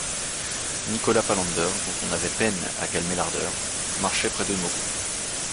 Nicolas Palander, dont on avait peine à calmer l’ardeur, marchait près de Mokoum.